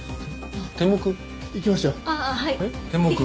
天目？